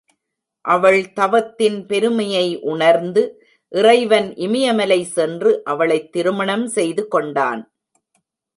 அவள் தவத்தின் பெருமையை உணர்ந்து, இறைவன் இமயமலை சென்று அவளைத் திருமணம் செய்து கொண்டான்.